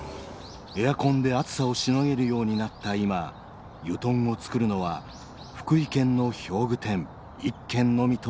エアコンで暑さをしのげるようになった今油団を作るのは福井県の表具店一軒のみとなりました。